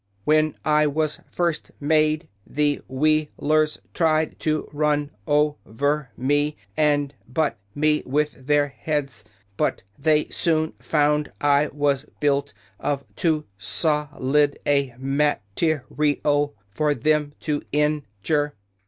When I was first made the Wheel ers tried to run o ver me, and butt me with their heads; but they soon found I was built of too sol id a ma ter i al for them to in jure."